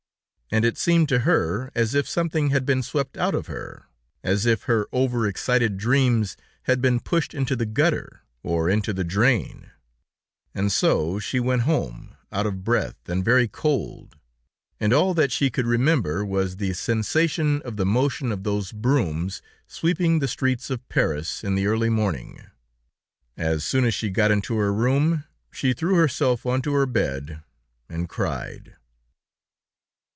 And it seemed to her as if something had been swept out of her; as if her over excited dreams had been pushed into the gutter, or into the drain, and so she went home, out of breath, and very cold, and all that she could remember was the sensation of the motion of those brooms sweeping the streets of Paris in the early morning. As soon as she got into her room, she threw herself onto her bed and cried.